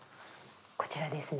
こちらですね。